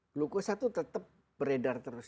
glukosa itu tetap beredar terus